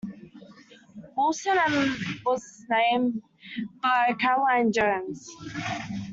Wilson and was named by Caroline Jones.